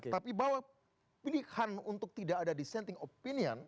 tapi bahwa pilihan untuk tidak ada dissenting opinion